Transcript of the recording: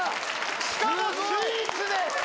しかもスイーツで！